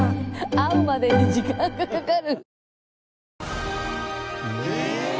会うまでに時間がかかる。